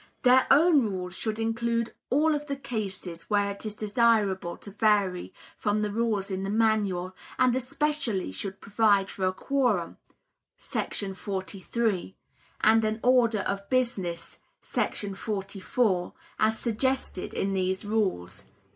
Their own rules should include all of the cases where it is desirable to vary from the rules in the Manual, and especially should provide for a Quorum [§ 43], and an Order of Business [§ 44], as suggested in these rules.